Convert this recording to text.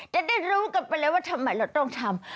จะได้รู้กันไปเลยว่าทำไมเราต้องทำ